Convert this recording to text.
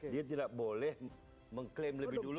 dia tidak boleh mengklaim lebih dulu